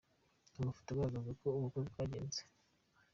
Amafoto agaragaza uko ubukwe bwagenze :.